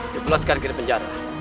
diplaskan ke penjara